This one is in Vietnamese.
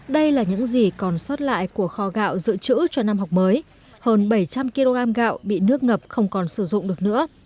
đây là những gì còn sót lại của kho gạo dự trữ cho năm học mới hơn bảy trăm linh kg gạo bị nước ngập không còn sử dụng được nữa